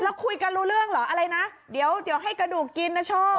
แล้วคุยกันรู้เรื่องเหรออะไรนะเดี๋ยวให้กระดูกกินนะโชค